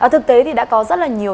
thực tế thì đã có rất là nhiều